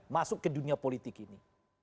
masuk ke dunia politik ini